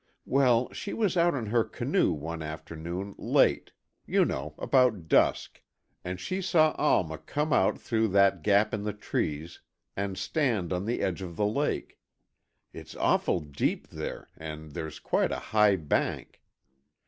Well, she was out in her canoe, one afternoon, late, you know, about dusk, and she saw Alma come out through that gap in the trees, and stand on the edge of the lake. It's awful deep there, and there's quite a high bank.